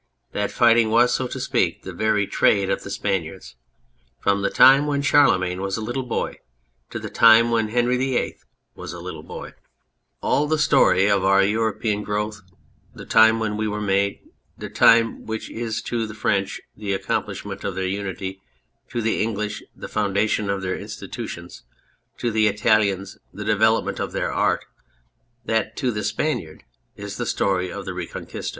That fighting was, so to speak, the very trade of the Spaniards, from the time when Charlemagne was a little boy to the time when Henry VIII was a little boy. All the 233 On Anything story of our European growth, the time when we were made, the time which is to the French the accomplishment of their unity, to the English the foundation of their institutions, to the Italians the development of their art, that to the Spaniard is the story of the Reconquista.